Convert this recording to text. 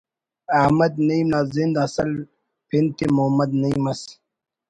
احمد نعیم نا زند اصل پن تے محمد نعیم ئس